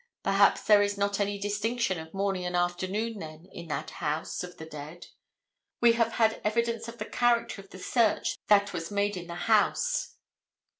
Perhaps there is not any distinction of morning and afternoon then in that house of the dead. We have had evidence of the character of the search that was made in the house.